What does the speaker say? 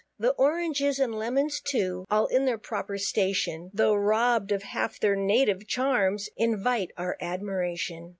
The Oranges, and Lemons too, All in their proper station, Tho' robb'd of half their native charms, Invite our admiration.